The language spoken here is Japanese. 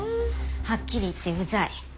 はっきり言ってうざい。